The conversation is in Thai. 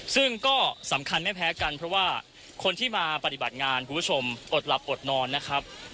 ซึ่งก็สำคัญไม่แพ้กันเพราะว่าคนที่มาปฏิบัติงานคุณผู้ชมอดหลับอดนอนนะครับ